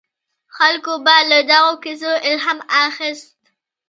خلکو به له دغو کیسو الهام اخیست.